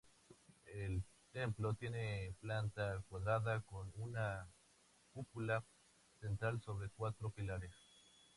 El templo tiene planta cuadrada, con una cúpula central sobre cuatro pilares.